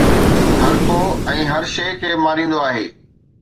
هرڪو ۽ هر شيء کي ماريندو آهي